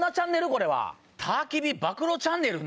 これは。